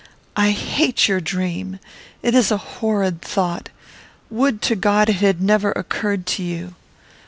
"I hate your dream. It is a horrid thought. Would to God it had never occurred to you!"